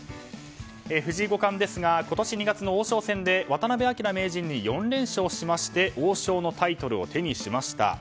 藤井五冠ですが今年２月の王将戦で渡辺明名人に４連勝しまして王将のタイトルを手にしました。